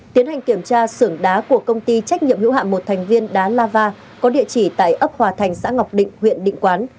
tiến hành kiểm tra sưởng đá của công ty trách nhiệm hữu hạm một thành viên đá lava có địa chỉ tại ấp hòa thành xã ngọc định huyện định quán